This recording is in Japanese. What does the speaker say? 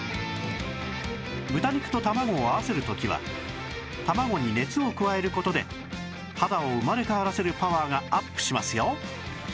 豚肉と卵を合わせる時は卵に熱を加える事で肌を生まれ変わらせるパワーがアップしますよ